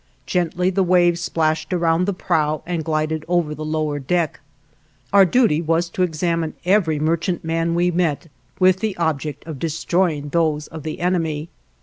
Gently the waves splashed around the prow and glided over the lower deck. Our duty was to examine every merchantman we met with the object of destroying those of the enemy.